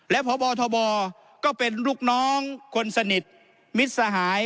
และพบทบก็เป็นลูกน้องคนสนิทมิตรสหาย